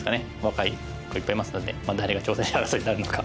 若い子いっぱいいますので誰が挑戦者争いになるのか。